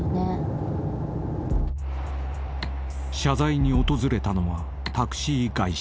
［謝罪に訪れたのはタクシー会社］